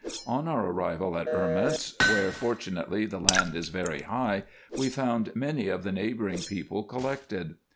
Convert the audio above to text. On our arrival at Erments, where fortunately the land is very high, we found many of the neighbouring people col lected.